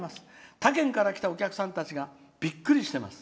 他県から来たお客さんたちがびっくりしています。